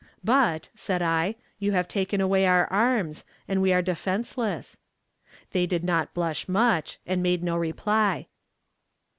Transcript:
'But,' said I, 'you have taken away our arms, and we are defenseless.' They did not blush much, and made no reply.